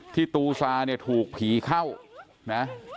ตูซาเนี่ยถูกผีเข้านะ